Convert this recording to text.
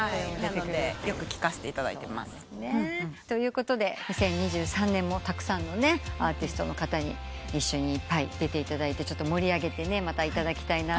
よく聞かせていただいてます。ということで２０２３年もたくさんのアーティストの方に一緒にいっぱい出ていただいて盛り上げていただきたいと思います。